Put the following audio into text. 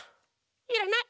いらない！